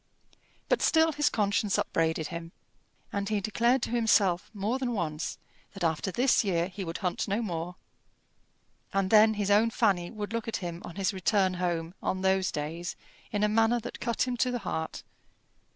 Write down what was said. But still his conscience upbraided him, and he declared to himself more than once that after this year he would hunt no more. And then his own Fanny would look at him on his return home on those days in a manner that cut him to the heart.